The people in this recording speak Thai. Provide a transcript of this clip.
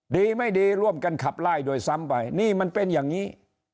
ดีไม่ดีร่วมกันขับไล่ด้วยซ้ำไปนี่มันเป็นอย่างนี้